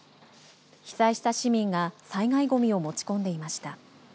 被災した市民が災害ごみを持ち込んでいました。